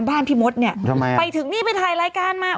บ้านพี่มดเนี่ยไปถึงนี่ไปถ่ายรายการมา